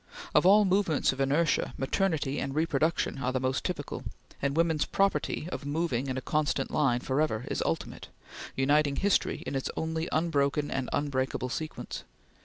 Of all movements of inertia, maternity and reproduction are the most typical, and women's property of moving in a constant line forever is ultimate, uniting history in its only unbroken and unbreakable sequence.